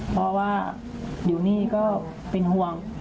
เพราะว่าอยู่นี่ก็เป็นห่วง